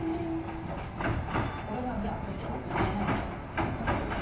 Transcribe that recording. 「これがじゃあちょっと６０年代いってみましょう」